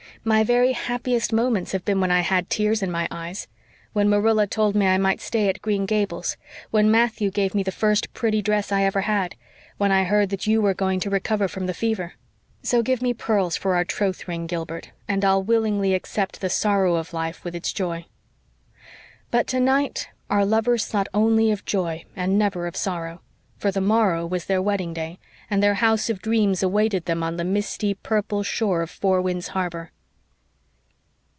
My very happiest moments have been when I had tears in my eyes when Marilla told me I might stay at Green Gables when Matthew gave me the first pretty dress I ever had when I heard that you were going to recover from the fever. So give me pearls for our troth ring, Gilbert, and I'll willingly accept the sorrow of life with its joy." But tonight our lovers thought only of joy and never of sorrow. For the morrow was their wedding day, and their house of dreams awaited them on the misty, purple shore of Four Winds Harbor.